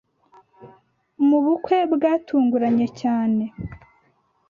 mu bukwe bwatunguranye cyane